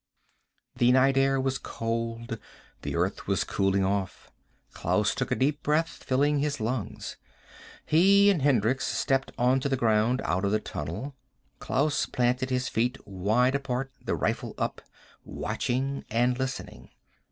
The night air was cold. The earth was cooling off. Klaus took a deep breath, filling his lungs. He and Hendricks stepped onto the ground, out of the tunnel. Klaus planted his feet wide apart, the rifle up, watching and listening.